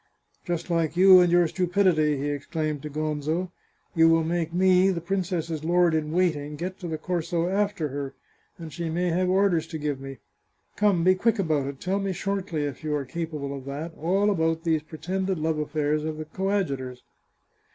"Just like you and your stupidity," he exclaimed to Gonzo. " You will make me, the princess's lord in waiting, get to the Corso after her, and she may have orders to give me. Come, be quick about it; tell me shortly, if you are capable of that, all about these pretended love aflfairs of the coadjutor's."